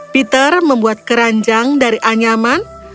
peter membuat keranjang dari anyaman